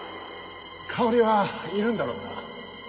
香織はいるんだろうな？